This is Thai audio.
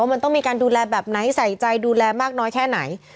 มันต้องมีการดูแลแบบไหนใส่ใจดูแลมากน้อยแค่ไหน